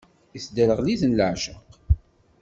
Isderɣel-itent leεceq.